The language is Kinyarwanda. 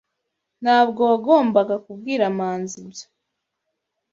Ntabwo wagombaga kubwira Manzi ibyo.